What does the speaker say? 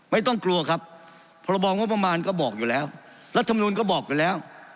ไม่ต้องกลัวครับพรบงบประมาณก็บอกอยู่แล้วรัฐมนุนก็บอกไปแล้ว